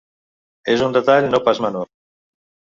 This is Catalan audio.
És un detall no pas menor.